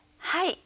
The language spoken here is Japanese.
はい